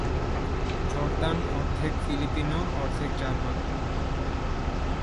Jordan অর্ধেক Filipino, অর্ধেক German.